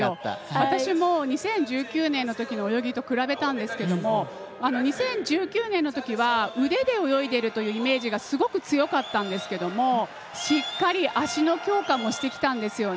私も２０１９年の泳ぎと比べたんですけれども２０１９年のときは腕で泳いでるというイメージがすごく強かったんですけどしっかり足の強化もしてきたんです。